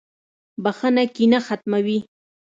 • بخښنه کینه ختموي.